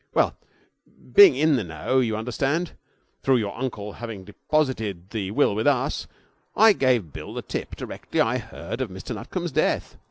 Well, being in the know, you understand, through your uncle having deposited the will with us, I gave Bill the tip directly I heard of Mr Nutcombe's death.